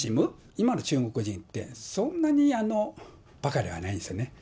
今の中国人って、そんなにばかではないんですよね。